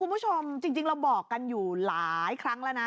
คุณผู้ชมจริงเราบอกกันอยู่หลายครั้งแล้วนะ